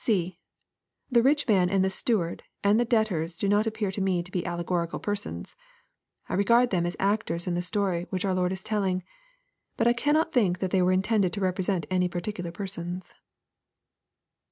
(C.) The rich man and the steward and the debtors do not ap • pear to me to be allegorical persons. I regard them as actors in the story, which our Lord is telling : but I cannoc think that they "were intended to represent any particular persons.